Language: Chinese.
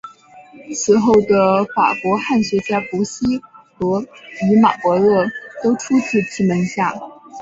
此后的法国汉学家伯希和与马伯乐都出自其门下。